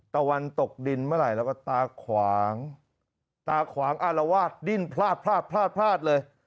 ตะวันตกดินเมื่อไหร่แล้วก็ตาขวางตาขวางอารวาสดิ้นพลาดพลาดพลาดพลาดเลย